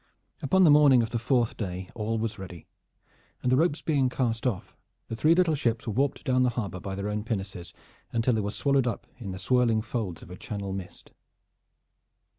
Upon the morning of the fourth day all was ready, and the ropes being cast off the three little ships were warped down the harbor by their own pinnaces until they were swallowed up in the swirling folds of a Channel mist.